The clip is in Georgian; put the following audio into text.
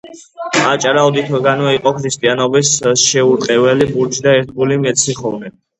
აჭარა ოდითგანვე იყო ქრისტიანობის შეურყეველი ბურჯი და ერთგული მეციხოვნე.